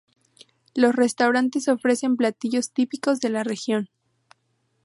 Los restaurantes ofrecen platillos típicos de la Región.